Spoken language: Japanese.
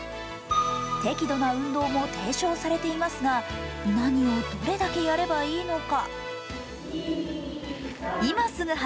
適度な運動も提唱されていますが何をどれだけやればいいのか。